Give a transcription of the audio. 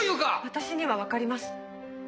私にはわかります。